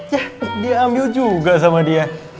yah dia ambil juga sama dia